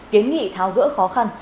kiến nghị tháo gỡ khó khăn